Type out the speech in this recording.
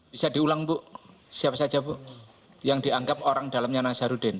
bisa diulang bu siapa saja bu yang dianggap orang dalamnya nazarudin